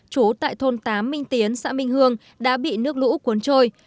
chú tại thôn tám minh tiến xã minh hương đã bị nước lũ cuốn trôi